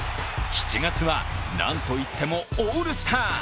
７月はなんといってもオールスター。